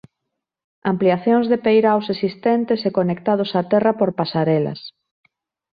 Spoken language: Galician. Ampliacións de peiraos existentes e conectados a terra por pasarelas.